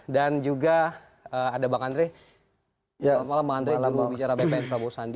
dan juga ada bang andrei selamat malam bang andrei juru bicara bpn prabowo sandi